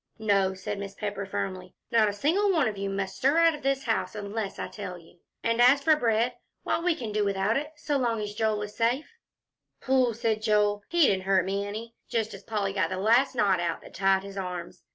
"No," said Mrs. Pepper, firmly, "not a single one of you must stir out of this house unless I tell you. And as for bread, why, we can do without it so long as Joel is safe." "Phooh!" said Joel, "he didn't hurt me any," just as Polly got the last knot out that tied his arms.